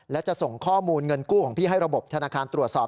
และจะส่งข้อมูลเงินกู้ของพี่ให้ระบบธนาคารตรวจสอบ